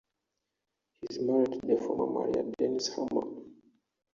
He is married to the former Maria Denise Hummer.